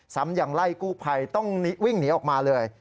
ซ้ำยังไล่กู้ภัยต้องวิ่งหนีออกมาเลย